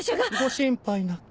ご心配なく。